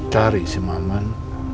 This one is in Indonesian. cari si maman